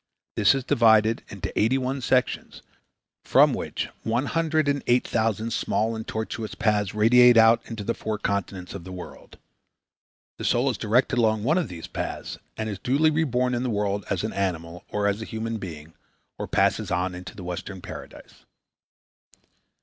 This is divided into eighty one sections from which one hundred and eight thousand small and tortuous paths radiate out into the four continents of the world. The soul is directed along one of these paths and is duly reborn in the world as an animal or as a human being or passes on into the Western Paradise.